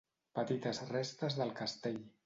Petites restes del castell.